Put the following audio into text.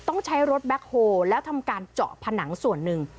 ต้องใช้รถแบ็คโฮลแล้วทำการเจาะผนังส่วนหนึ่ง